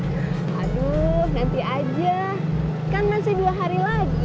kan masih dua hari lagi